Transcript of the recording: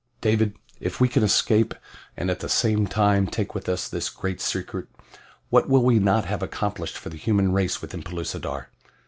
"David, if we can escape, and at the same time take with us this great secret what will we not have accomplished for the human race within Pellucidar!"